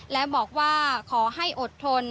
และบอกว่าขอให้อดทน